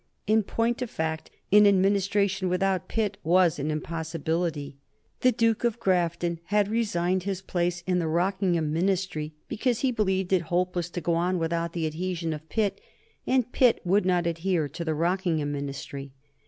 In point of fact, an Administration without Pitt was an impossibility. The Duke of Grafton had resigned his place in the Rockingham Ministry because he believed it hopeless to go on without the adhesion of Pitt, and Pitt would not adhere to the Rockingham Ministry.